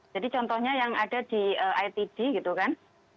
jadi contohnya yang ada di itd gitu kan